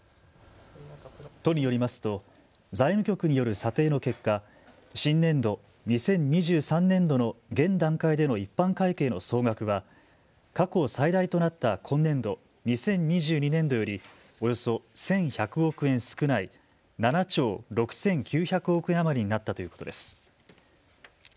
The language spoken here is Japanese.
都によりますと財務局による査定の結果、新年度・２０２３年度の現段階での一般会計の総額は過去最大となった今年度・２０２２年度よりおよそ１１００億円少ない７兆６９００億円余りになったということです。